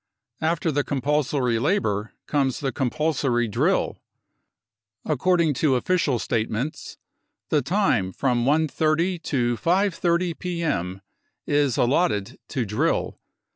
After the compulsory labour comes compulsory drill. According to official statements, the time from 1,30 to 5.30 p.m. is allotted to drill.